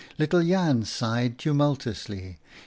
Little Jan sighed tumultuously.